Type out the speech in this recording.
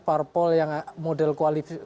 parpol yang model koalisi